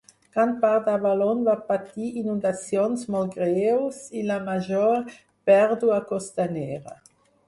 Gran part d'Avalon va patir inundacions molt greus i la major pèrdua costanera.